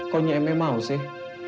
koknya emeh mau sih